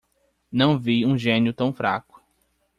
Não vi um gênio tão fraco